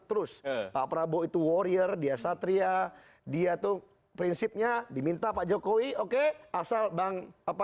terus pak prabowo itu warrior dia satria dia tuh prinsipnya diminta pak jokowi oke asal bang apa